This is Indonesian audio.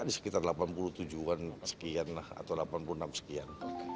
di sekitar delapan puluh tujuh an sekian lah atau delapan puluh enam sekian